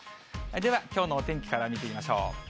では、きょうのお天気から見てみましょう。